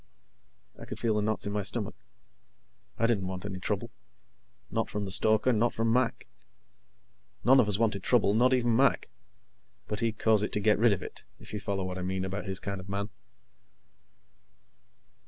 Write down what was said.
I could feel the knots in my stomach. I didn't want any trouble. Not from the stoker, not from Mac. None of us wanted trouble not even Mac, but he'd cause it to get rid of it, if you follow what I mean about his kind of man.